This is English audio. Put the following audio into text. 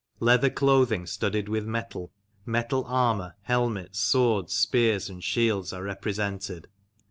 Leather clothing studded with metal, metal armour, helmets, swords, spears, and shields are represented.